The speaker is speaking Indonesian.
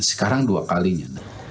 sekarang dua kalinya